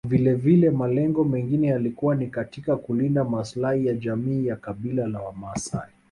Vilevile malengo mengine yalikuwa ni katika kulinda maslahi ya jamii ya kabila la wamaasai